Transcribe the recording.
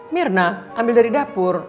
mirna ambil dari dapur